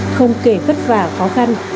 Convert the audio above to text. không kể khất vả khó khăn